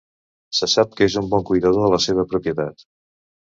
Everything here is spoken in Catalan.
Se sap que és un bon cuidador de la seva propietat.